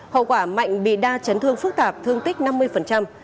hậu quả mạnh bị đa chấn thương phức tạp thương tích năm mươi